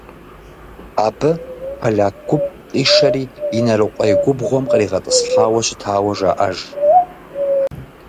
Абы поляк гуп къишэри Инарыкъуей губгъуэм къригъэтӏысхьауэ щытауэ жаӏэж.